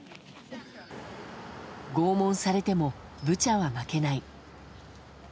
拷問されてもブチャは負けない。